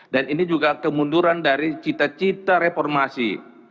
dan ini juga kemunduran dari cita cita reformasi